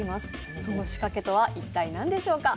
その仕掛けとは一体何でしょうか？